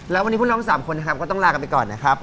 แล้ววันนี้พวกเราทั้ง๓คนค่ะต้องลากันไปก่อนนะครับ